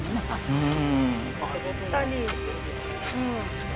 うん。